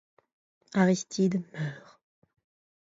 Aristide meurt.